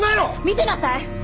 見てなさい！